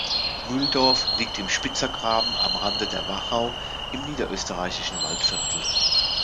Mühldorf liegt im Spitzer Graben am Rande der Wachau, im niederösterreichischen Waldviertel.